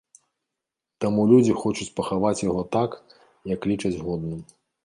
Таму людзі хочуць пахаваць яго так, як лічаць годным.